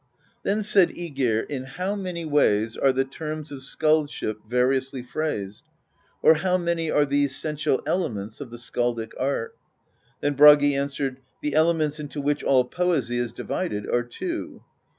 Then said iEgir: "In how many ways are the terms of skaldship variously phrased, or how many are the essential elements of the skaldic art ?" Then Bragi answered :" The elements into which all poesy is divided are two."